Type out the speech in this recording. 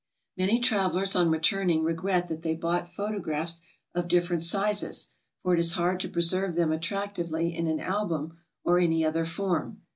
Many travelers on returning regret that they bought photographs of different sizes, for it is hard to preserve them attractively in an album or any other form.